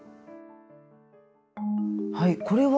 はいこれは？